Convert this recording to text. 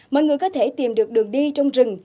mọi người có thể tìm được đường đi trong rừng